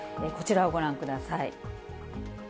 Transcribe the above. こちらをご覧ください。